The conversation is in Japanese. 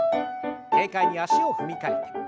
軽快に足を踏み替えて。